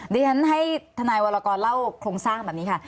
ดิฉันให้ทนายวรกรเล่าโครงสร้างแบบนี้ค่ะ